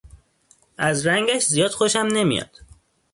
از رنگش زیاد خوشم نمیاد